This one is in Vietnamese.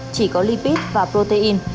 chỉ có lipid và protein